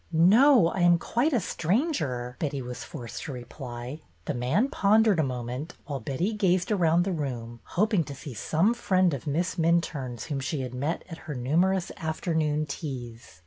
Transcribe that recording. " No, I am quite a stranger," Betty was forced to reply. The man pondered a moment, while Betty gazed around the room, hoping to see some friend of Miss Minturne's whom she had met at her numerous afternoon teas.